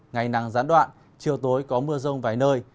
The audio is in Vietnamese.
ngày nắng gián đoạn chiều tối có mưa rông vài nơi